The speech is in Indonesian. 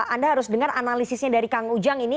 anda harus dengar analisisnya dari kang ujang ini